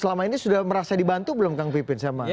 selama ini sudah merasa dibantu belum kang pipin sama